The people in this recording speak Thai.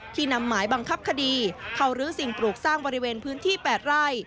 นำหมายบังคับคดีเข้ารื้อสิ่งปลูกสร้างบริเวณพื้นที่๘ไร่